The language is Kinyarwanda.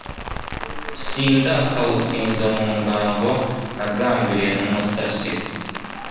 sindakawutinza mu ngango nagambiliye numutasi